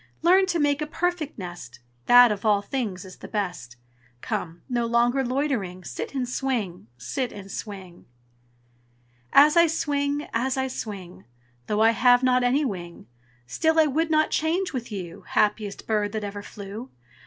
Learn to make a perfect nest, That of all things is the best. Come! nor longer loitering Sit and swing, sit and swing!" As I swing, as I swing, Though I have not any wing, Still I would not change with you, Happiest bird that ever flew.